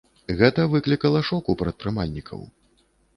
Гэта выклікала шок у прадпрымальнікаў.